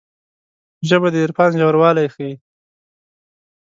ژبه د عرفان ژوروالی ښيي